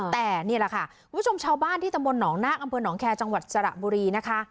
แต่นี่แหละค่ะคุณผู้ชมชาวบ้านที่ตำบลหนองนาคอำเภอหนองแคร์จังหวัดสระบุรีนะคะ